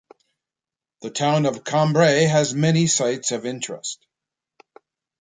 The town of Cambre has many sites of interest.